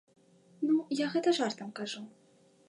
Ну, я гэта жартам кажу.